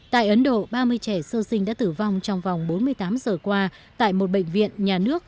tại ấn độ ba mươi trẻ sơ sinh đã tử vong trong vòng bốn mươi tám giờ qua tại một bệnh viện nhà nước